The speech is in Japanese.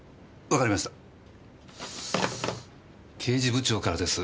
刑事部長からです。